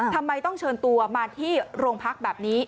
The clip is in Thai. ทำไมต้องเชิญตัวมาที่โรงพักแบบนี้